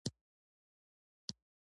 رخصت مو واخیست.